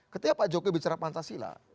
ketika pak jokowi bicara pancasila